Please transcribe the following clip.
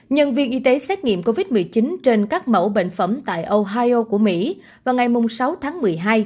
nhân viên y tế xét nghiệm covid một mươi chín trên các mẫu bệnh phẩm tại ohio của mỹ vào ngày sáu tháng một mươi hai